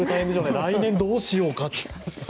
来年どうしようかって。